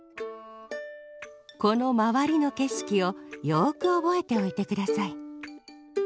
このまわりのけしきをよくおぼえておいてください。